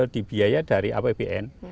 dibiaya dari apbn